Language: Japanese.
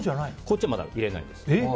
こっちはまだ入れないです。